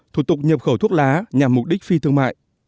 thủ tục nhập khẩu thuốc lá nhằm mục đích phi thương mại